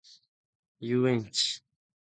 遊園地